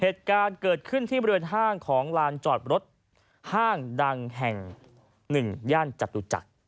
เหตุการณ์เกิดขึ้นที่บริเวณห้างของลานจอดรถห้างดังแห่ง๑ย่านจตุจักร